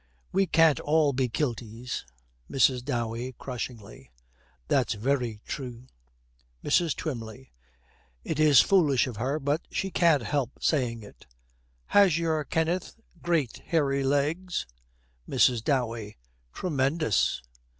'We can't all be kilties.' MRS. DOWEY, crushingly, 'That's very true.' MRS. TWYMLEY. It is foolish of her, but she can't help saying it. 'Has your Kenneth great hairy legs?' MRS. DOWEY. 'Tremendous.'